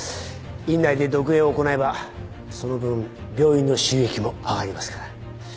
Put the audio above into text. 院内で読影を行えばその分病院の収益も上がりますから。